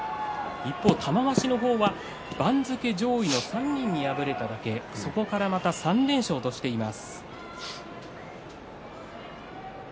一方、玉鷲の方は上位に３人敗れただけでそれから３連勝としています。